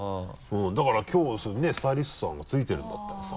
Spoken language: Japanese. だからきょうスタイリストさんがついてるんだったらさ。